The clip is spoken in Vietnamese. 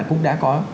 cũng đã có